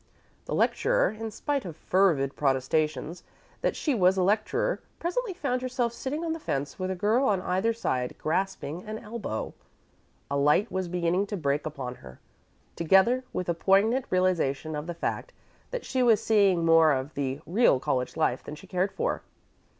The lecturer, in spite of fervid protestations that she was a lecturer, presently found herself sitting on the fence, with a girl on either side grasping an elbow. A light was beginning to break upon her, together with a poignant realization of the fact that she was seeing more of the real college life than she cared for.